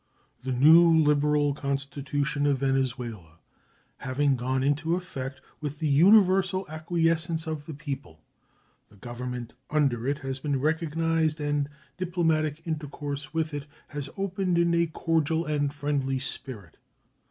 The new liberal constitution of Venezuela having gone into effect with the universal acquiescence of the people, the Government under it has been recognized and diplomatic intercourse with it has opened in a cordial and friendly spirit.